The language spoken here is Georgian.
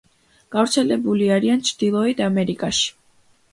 გავრცელებული არიან ჩრდილოეთ ამერიკაში.